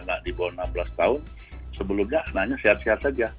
karena anak di bawah enam belas tahun sebelumnya anaknya sehat sehat saja